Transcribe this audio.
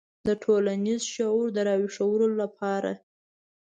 د ټولنیز شعور د راویښولو لپاره.